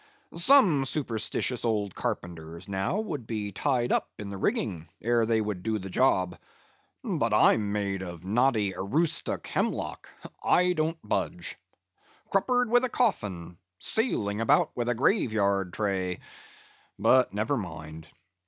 Some superstitious old carpenters, now, would be tied up in the rigging, ere they would do the job. But I'm made of knotty Aroostook hemlock; I don't budge. Cruppered with a coffin! Sailing about with a grave yard tray! But never mind.